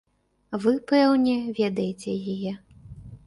Вы, пэўне, ведаеце яе.